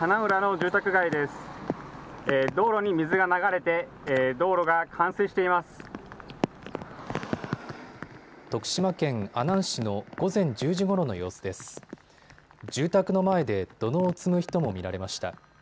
住宅の前で土のうを積む人も見られました。